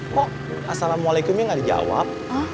kok assalamualaikumnya tidak dijawab